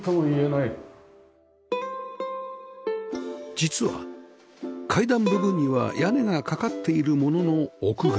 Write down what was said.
実は階段部分には屋根がかかっているものの屋外